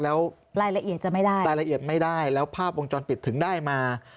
แล้วรายละเอียดจะไม่ได้รายละเอียดไม่ได้แล้วภาพวงจรปิดถึงได้มา